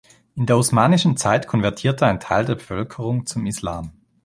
In der Osmanischen Zeit konvertierte ein Teil der Bevölkerung zum Islam.